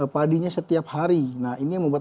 padinya setiap hari nah ini yang membuat